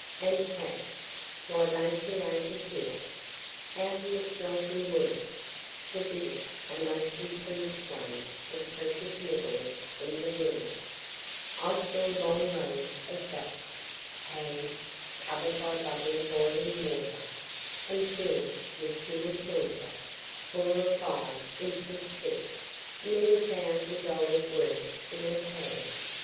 And cash! why they create it here. Out in the smelting works, (the biggest and most improv'd ones, for the precious metals, in the world,) I saw long rows of vats, pans, cover'd by bubbling boiling water, and fill'd with pure silver, four or five inches thick, many thousand dollars' worth in a pan.